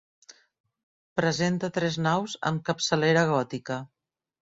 Presenta tres naus amb capçalera gòtica.